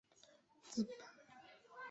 刘宽人。